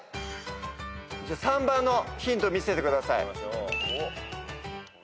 ３番のヒント見せてください。